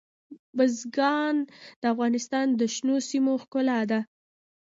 بزګان د افغانستان د شنو سیمو ښکلا ده.